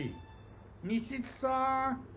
西津さん？